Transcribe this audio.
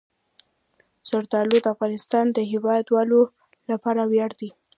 زردالو د افغانستان د هیوادوالو لپاره ویاړ دی.